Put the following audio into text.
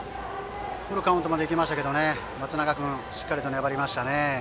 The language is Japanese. フルカウントまで行けましたけど松永君、しっかりと粘りましたね。